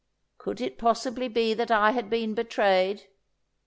Could it possibly be that I had been betrayed?